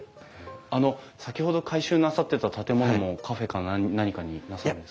あの先ほど改修なさってた建物もカフェか何かになさるんですか？